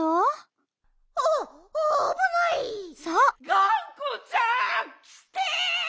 ・がんこちゃんきて！